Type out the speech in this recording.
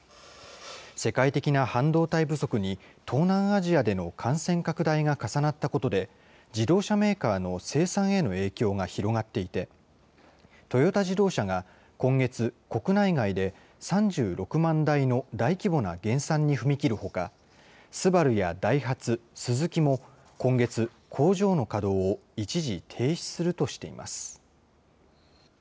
世界的な半導体不足に東南アジアでの感染拡大が重なったことで、自動車メーカーの生産への影響が広がっていて、トヨタ自動車が今月、国内外で３６万台の大規模な減産に踏み切るほか、ＳＵＢＡＲＵやダイハツ、スズキも今月、工場の稼働を一時停止するとしています。